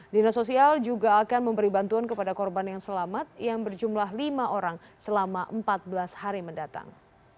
dinas sosial juga akan memberi bantuan kepada korban yang selamat yang berjumlah lima orang selama empat belas hari mendatang